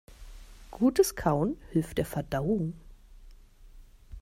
Gutes Kauen hilft der Verdauung.